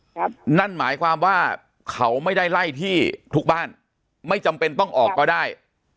นั่นหมายความว่าเขาไม่ได้ไล่ที่ทุกบ้านไม่จำเป็นต้องออกก็ได้